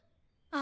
あ。